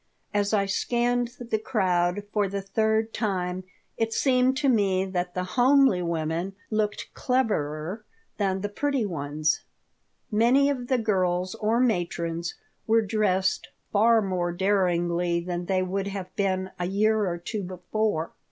As I scanned the crowd for the third time it seemed to me that the homely women looked cleverer than the pretty ones. Many of the girls or matrons were dressed far more daringly than they would have been a year or two before.